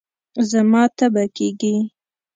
زما تبه کېږي